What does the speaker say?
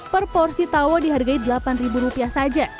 per porsi tawa dihargai delapan rupiah saja